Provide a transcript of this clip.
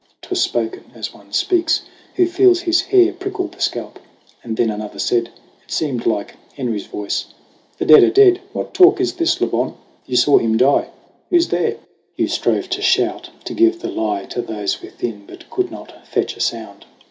'Twas spoken as one speaks who feels his hair Prickle the scalp. And then another said It seemed like Henry's voice "The dead are dead : What talk is this, Le Bon ? You saw him die ! Who's there?" Hugh strove to shout, to give the lie To those within ; but could not fetch a sound.